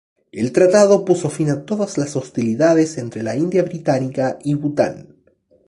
El tratado puso fin a todas las hostilidades entre la India británica y Bután.